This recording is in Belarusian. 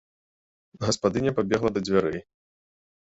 Гаспадыня пабегла да дзвярэй.